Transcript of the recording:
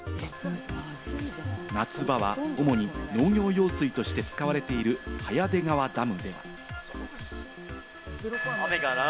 夏場は主に農業用水として使われている早出川ダム。